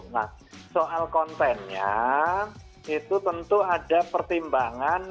nah soal kontennya itu tentu ada pertimbangan